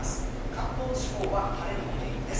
関東地方は晴れのお天気です。